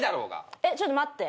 えっちょっと待って。